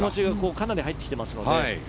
気持ちがかなり入ってきていますので。